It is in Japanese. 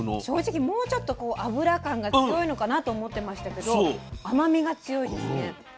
正直もうちょっとこう脂感が強いのかなと思ってましたけど甘みが強いですね。